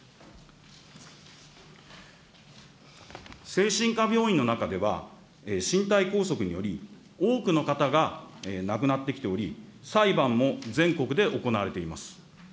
精神科病院の中では、身体拘束により多くの方が亡くなってきており、裁判も全国で行われています。